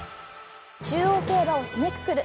中央競馬を締めくくる